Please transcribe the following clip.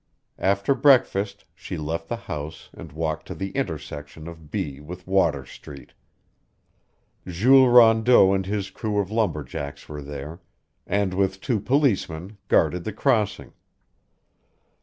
After breakfast she left the house and walked to the intersection of B with Water Street. Jules Rondeau and his crew of lumberjacks were there, and with two policemen guarded the crossing.